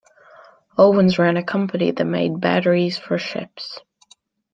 Owens ran a company that made batteries for ships.